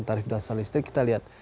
tarif dasar listrik kita lihat